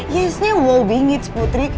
yesnya wow bingits putri